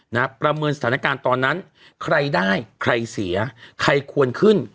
ประเมินสถานการณ์ตอนนั้นใครได้ใครเสียใครควรขึ้น